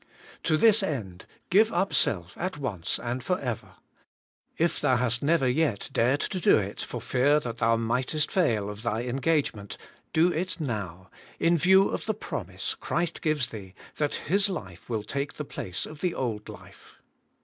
To this end give up self at once and for ever. If thou hast never yet dared to do it, for fear thou mightest fail of thy engagement, do it now, in view of the promise Christ gives thee that His life will take the place of the old life.